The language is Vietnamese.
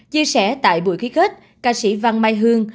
chia sẻ tại buổi ký kết ca sĩ văn mai hương